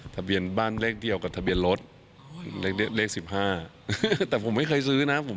ทะเบียนบ้านเลขเดียวกับทะเบียนรถเลขสิบห้าแต่ผมไม่เคยซื้อนะผม